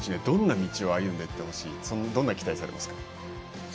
どんな道を歩んでいってほしいどんな期待をされますか。